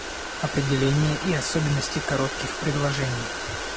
Определение и особенности коротких предложений